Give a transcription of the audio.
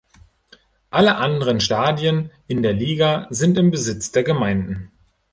Alle anderen Stadien in der Liga sind im Besitz der Gemeinden.